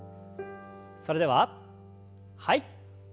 それでははい。